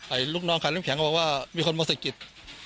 ไอ้ลูกน้องขายเลี้ยงแข็งเขาบอกว่ามีคนมาเศษฐกิจ